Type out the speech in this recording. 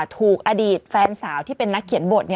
ถูกอดีตแฟนสาวที่เป็นนักเขียนบท